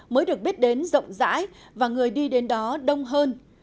mới được biết đến rộng rãi và người đi đến đó đông hơn